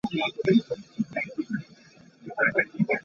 Mir lost his job the day his article was published.